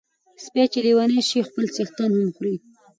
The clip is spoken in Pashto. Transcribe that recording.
سپي چی لیوني سی خپل څښتن هم خوري .